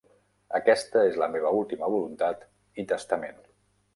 Aquesta és la meva última voluntat i testament.